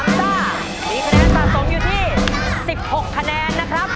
ซ่ามีคะแนนสะสมอยู่ที่๑๖คะแนนนะครับ